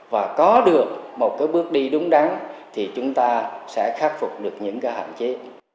và có được một cái bước đi đúng đắn thì chúng ta sẽ khắc phục được những cái hạn chế